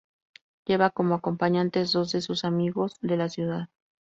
Lleva como acompañantes dos de sus amigos de la ciudad.